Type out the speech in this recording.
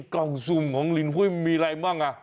กล่องซุ่มของลินหุ้ยมีอะไรบ้าง